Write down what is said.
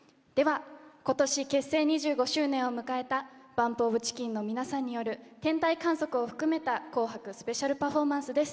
今年結成２５周年を迎えたＢＵＭＰＯＦＣＨＩＣＫＥＮの皆さんによる「天体観測」を含めた紅白スペシャルパフォーマンスです。